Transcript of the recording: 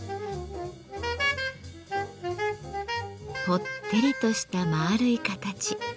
ぽってりとしたまあるい形。